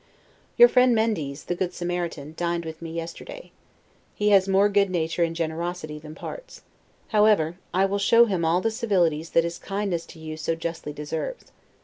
Your friend Mendes, the good Samaritan, dined with me yesterday. He has more good nature and generosity than parts. However, I will show him all the civilities that his kindness to you so justly deserves.